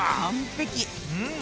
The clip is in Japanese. うん！